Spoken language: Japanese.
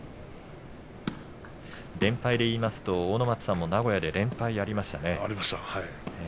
連敗で言いますと阿武松さんも名古屋で連敗がありました。